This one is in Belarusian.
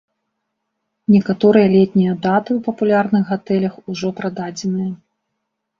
Некаторыя летнія даты ў папулярных гатэлях ужо прададзеныя.